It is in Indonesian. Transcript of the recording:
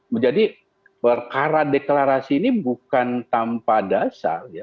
menjadi perkara deklarasi ini bukan tanpa dasar ya